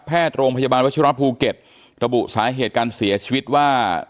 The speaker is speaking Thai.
โรงพยาบาลวัชิระภูเก็ตระบุสาเหตุการเสียชีวิตว่า